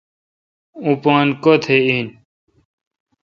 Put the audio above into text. اوں پان کتھ آین؟